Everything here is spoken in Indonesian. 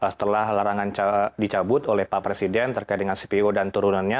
setelah larangan dicabut oleh pak presiden terkait dengan cpo dan turunannya